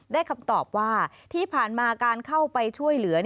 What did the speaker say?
คำตอบว่าที่ผ่านมาการเข้าไปช่วยเหลือ